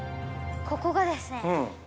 ここがですね